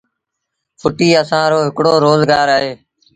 ڦُٽيٚ اسآݩ رو هڪڙو روز گآر اهي